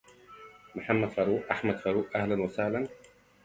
In its general form, the LoD is a specific case of loose coupling.